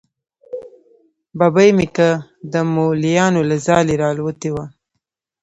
ببۍ مې که د مولیانو له ځالې را الوتې وه.